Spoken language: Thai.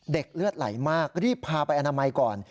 เลือดไหลมากรีบพาไปอนามัยก่อน